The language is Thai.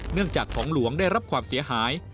เนื่องจากของหลวงได้รับความเสียหาย